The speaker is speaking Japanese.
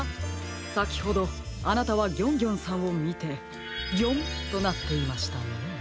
さきほどあなたはギョンギョンさんをみて「ギョン！」となっていましたね。